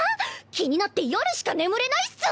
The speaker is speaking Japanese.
気になって夜しか眠れないっス！